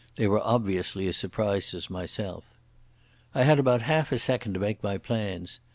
They were obviously as surprised as myself. I had about half a second to make my plans.